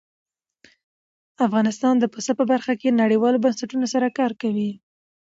افغانستان د پسه په برخه کې نړیوالو بنسټونو سره کار کوي.